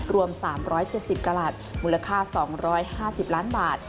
รวม๓๗๐กลัดมูลค่า๒๕๐ล้านบาท